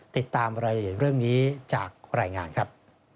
ติดตามรายละเอียดเรื่องนี้จากรายงานครับ